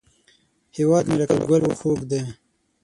هیواد مې لکه ګل خوږ دی